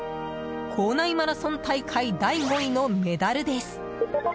校内マラソン大会第５位のメダルです。